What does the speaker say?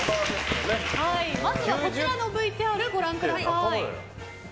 まずはこちらのＶＴＲご覧ください。